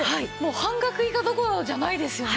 半額以下どころじゃないですよね。